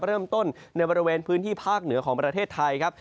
เริ่มต้นในบริเวณพื้นที่ภาคเหนือของประเทศไทยครับ